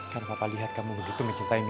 karena papa lihat kamu begitu mencintai mimu